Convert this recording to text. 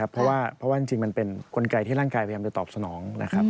เพราะว่าจริงมันเป็นกลไกที่ร่างกายพยายามจะตอบสนองนะครับ